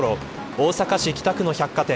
大阪市北区の百貨店